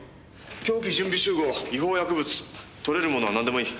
凶器準備集合違法薬物取れるものはなんでもいい。